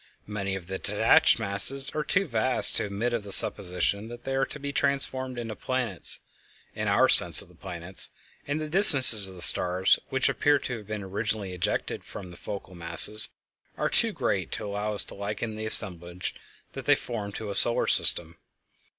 Many of the detached masses are too vast to admit of the supposition that they are to be transformed into planets, in our sense of planets, and the distances of the stars which appear to have been originally ejected from the focal masses are too great to allow us to liken the assemblage that they form to a solar system.